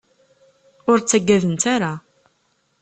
Ur ttaggadent ara.